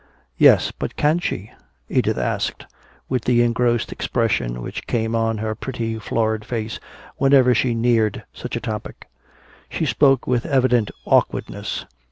"Yes, but can she?" Edith asked, with the engrossed expression which came on her pretty florid face whenever she neared such a topic. She spoke with evident awkwardness.